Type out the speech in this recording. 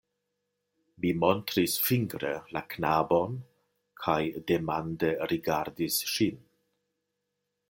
Mi montris fingre la knabon kaj demande rigardis ŝin.